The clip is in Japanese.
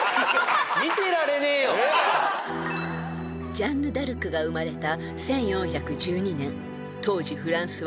［ジャンヌ・ダルクが生まれた］